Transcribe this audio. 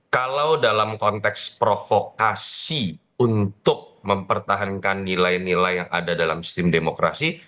kalau dalam konteks provokasi untuk mempertahankan nilai nilai yang ada dalam sistem demokrasi